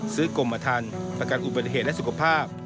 กรมทันประกันอุบัติเหตุและสุขภาพ